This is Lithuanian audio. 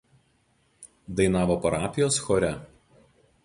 Dainavo parapijos chore.